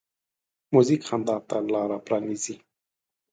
موزیک خندا ته لاره پرانیزي.